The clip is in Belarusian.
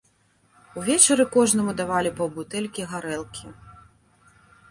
Увечары кожнаму давалі паўбутэлькі гарэлкі.